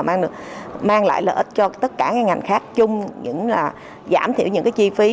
mà mang lại lợi ích cho tất cả ngành khác chung giảm thiểu những chi phí